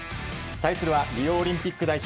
対するはリオオリンピック代表